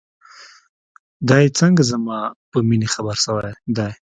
دى څنگه زما په مينې خبر سوى دى.